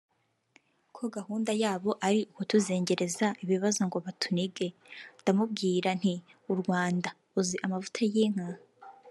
ko gahunda yabo ari ukutuzengereza ibibazo ngo batunige […] ndamubwira nti u Rwanda…uzi amavuta y’inka